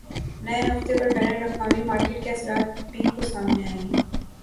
نئے ہفتے پر بین الاقوامی مارکیٹ کے اثرات پیر کو سامنے آئیں گے